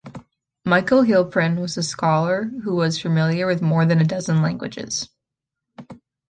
Michael Heilprin was a scholar who was familiar with more than a dozen languages.